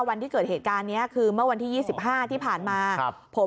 วันที่เกิดเหตุการณ์นี้คือเมื่อวันที่๒๕ที่ผ่านมาครับผม